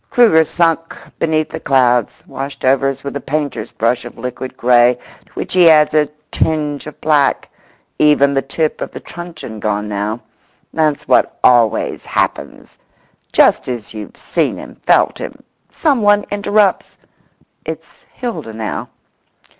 Kruger's sunk beneath the clouds—washed over as with a painter's brush of liquid grey, to which he adds a tinge of black—even the tip of the truncheon gone now. That's what always happens! Just as you've seen him, felt him, someone interrupts. It's Hilda now.